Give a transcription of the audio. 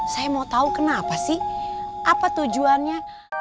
saya mau tahu kenapa sih apa tujuannya